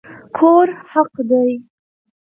کور حق دی